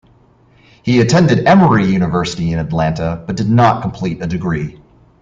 He attended Emory University in Atlanta but did not complete a degree.